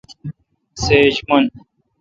سیج من۔